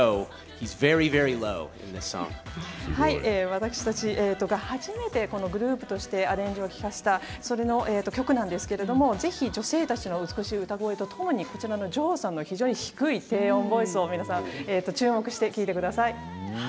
私たち初めてグループとしてアレンジを効かせた曲なんですけど女性たちの美しい歌声とともにこちらのジョーさんの低い低音ボイスも注目して聴いてください。